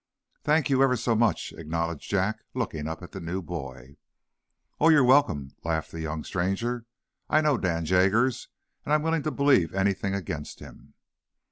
"Thank you, ever so much," acknowledged Jack, looking up at the new boy. "Oh, you're welcome," laughed the young stranger. "I know Dan Jaggers, and I'm willing to believe anything against him."